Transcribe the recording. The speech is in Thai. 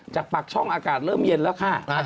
จากปากช่องอากาศเริ่มเย็นแล้วค่ะ